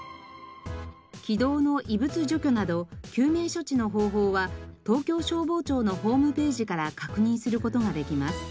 気道の異物除去など救命処置の方法は東京消防庁のホームページから確認する事ができます。